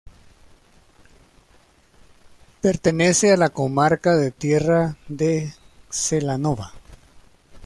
Pertenece a la Comarca de Tierra de Celanova.